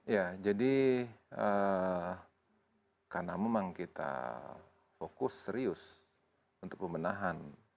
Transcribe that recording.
ya jadi karena memang kita fokus serius untuk pembenahan